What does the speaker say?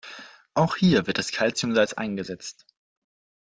Auch hier wird das Calciumsalz eingesetzt.